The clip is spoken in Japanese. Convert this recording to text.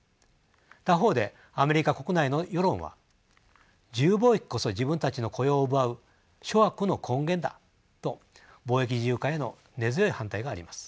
他方でアメリカ国内の世論は自由貿易こそ自分たちの雇用を奪う諸悪の根源だと貿易自由化への根強い反対があります。